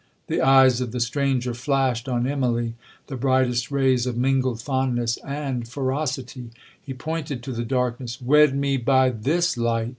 'The eyes of the stranger flashed on Immalee the brightest rays of mingled fondness and ferocity. He pointed to the darkness,—'WED ME BY THIS LIGHT!'